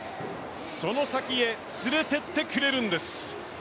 その先へ連れて行ってくれるんです。